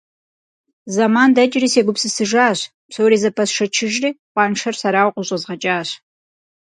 Зэман дэкӀри, сегупсысыжащ, псори зэпэсшэчыжри, къуаншэр сэрауэ къыщӀэзгъэкӀащ.